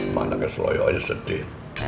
mana kayak seloyok aja sedih